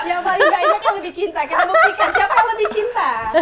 yang paling banyak yang lebih cinta kita buktikan siapa yang lebih cinta